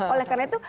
oleh karena itu